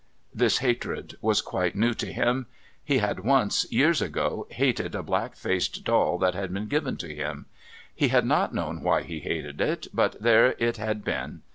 This hatred was quite new to him. He had once, years ago, hated a black faced doll that had been given to him. He had not known why he hated it, but there it had been.